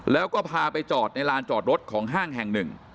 แล้วก็พาไปจอดในลานจอดรถของห้างแห่งหนึ่ง